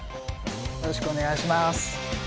よろしくお願いします。